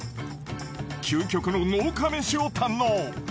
究極の農家メシを堪能。